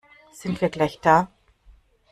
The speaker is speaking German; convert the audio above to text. Sind wir gleich da?